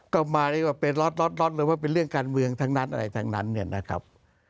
ก็มาเรียกว่าเป็นล็อตเลยว่าเป็นเรื่องการเมืองทั้งนั้นอะไรทั้งนั้นเนี่ยนะครับ